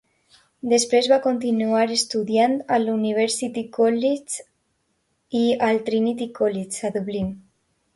Després va continuar estudiant a l'University College i al Trinity College, a Dublin.